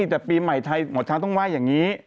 ไม่แต่ปีใหม่ไทยหมดทางต้องไหว้อย่างนี้